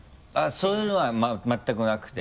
そういうのは全くなくて。